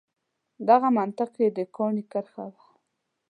دغه منطق یې د کاڼي کرښه وه.